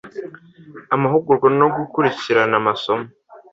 amahugurwa no gukurikirana amasomo